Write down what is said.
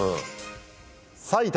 埼玉。